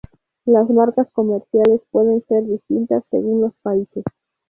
La marcas comerciales pueden ser distintas según los países.